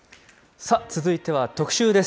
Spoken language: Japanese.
さあ、続いては特集です。